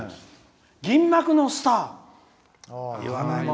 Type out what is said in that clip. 「銀幕のスター」言わないね。